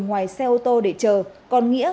ngoài xe ô tô để chờ còn nghĩa